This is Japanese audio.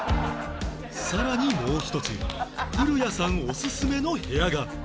さらにもう１つ古谷さんおすすめの部屋が